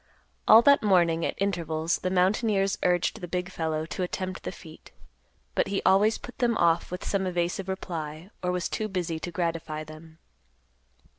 All that morning at intervals the mountaineers urged the big fellow to attempt the feat, but he always put them off with some evasive reply, or was too busy to gratify them.